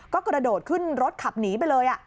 ก็กระโดดขึ้นรถขับหนีไปเลย